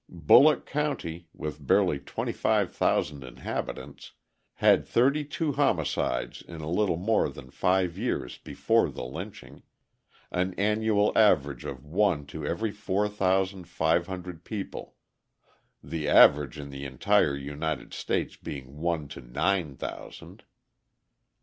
Bulloch County, with barely twenty five thousand inhabitants, had thirty two homicides in a little more than five years before the lynching an annual average of one to every four thousand five hundred people (the average in the entire United States being one to nine thousand).